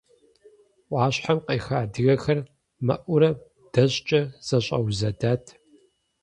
Ӏуащхьэм къеха адыгэхэр мэӏурэ дэщӏкӏэ зэщӏэузэдат.